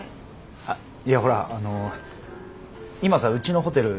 あいやほらあの今さうちのホテル